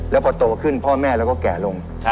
แล้วพอโตขึ้นพ่อแม่เราก็แก่ลง